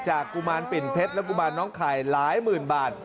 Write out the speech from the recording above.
กุมารปิ่นเพชรและกุมารน้องไข่หลายหมื่นบาท